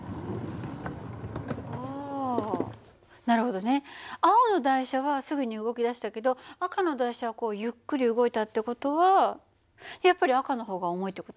あなるほどね。青の台車はすぐに動きだしたけど赤の台車はこうゆっくり動いたって事はやっぱり赤の方が重いって事？